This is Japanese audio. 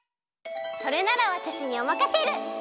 それならわたしにおまかシェル！